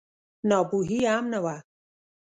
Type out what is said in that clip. ناپوهي هم نه وه.